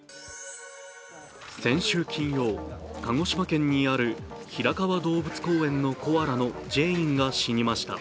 先週金曜、鹿児島県にある平川動物公園のコアラのジェインが死にました。